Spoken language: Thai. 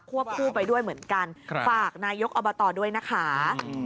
วบคู่ไปด้วยเหมือนกันฝากนายกอบตด้วยนะคะ